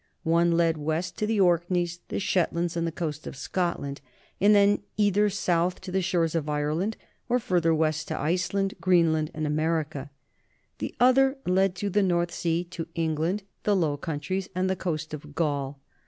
One led west to the Orkneys, the Shetlands, and the coast of Scotland, and then either south to the shores of Ireland, or further west to Iceland, Greenland, and America. The other led through the North Sea to England, the Low Coun tries, and the coast of Gaul.